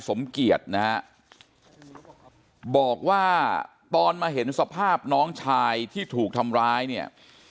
สมเกียจนะฮะบอกว่าตอนมาเห็นสภาพน้องชายที่ถูกทำร้ายเนี่ย